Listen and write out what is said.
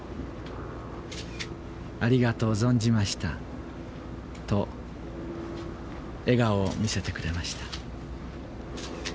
ありがとう存じましたと笑顔を見せてくれました。